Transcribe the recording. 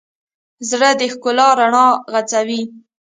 زړه د ښکلا رڼا غځوي.